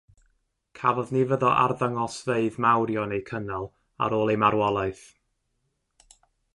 Cafodd nifer o arddangosfeydd mawrion eu cynnal ar ôl ei marwolaeth.